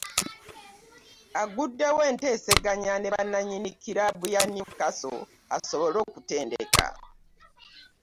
Agguddewo enteeseganya ne bannanyini kkilaabu ya Newcastle asobole okutendeka.